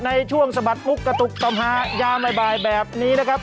ในช่วงสะบัดปุ๊กกระตุกต่อมฮายามายแบบนี้นะครับ